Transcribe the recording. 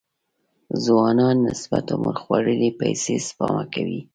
ځوانانو نسبت عمر خوړلي پيسې سپما کوي.